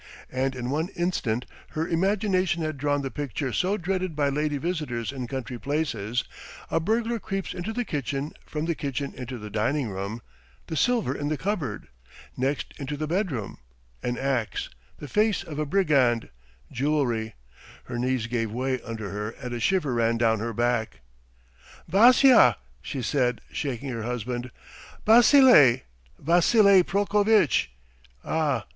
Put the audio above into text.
And in one instant her imagination had drawn the picture so dreaded by lady visitors in country places a burglar creeps into the kitchen, from the kitchen into the dining room ... the silver in the cupboard ... next into the bedroom ... an axe ... the face of a brigand ... jewelry. ... Her knees gave way under her and a shiver ran down her back. "Vassya!" she said, shaking her husband, "Basile! Vassily Prokovitch! Ah!